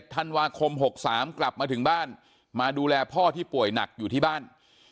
ธันวาคม๖๓กลับมาถึงบ้านมาดูแลพ่อที่ป่วยหนักอยู่ที่บ้าน